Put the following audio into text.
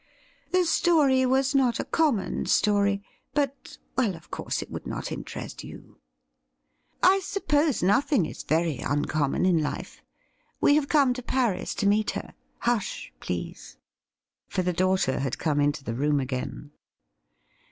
The story was not a common story, but — ^well, of course it would not interest you. I suppose nothing is very uncommon in life. We have come to Paris to meet her. Hush, please !' For the daughter had come into the room again.